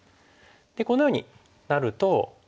このようになると。